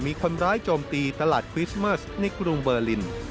มีคนร้ายโจมตีตลาดคริสเมอร์สในกรุงเบอร์ลิน